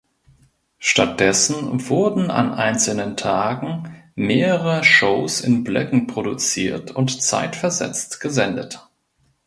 Stattdessen wurden an einzelnen Tagen mehrere Shows in Blöcken produziert und zeitversetzt gesendet.